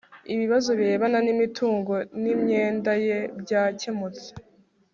ibibazo birebana n'imitungo n'imyenda ye byakemutse